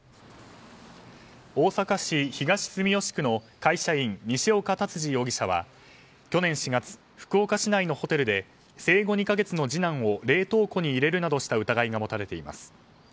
大阪市東住吉区の会社員西岡竜司容疑者は去年４月、福岡市内のホテルで生後２か月の次男を冷凍庫に入れるなどした疑いが持たれています。